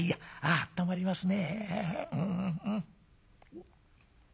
あったまりますね」。